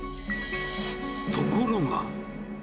ところが。